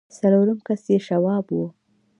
څلورم کس يې شواب و.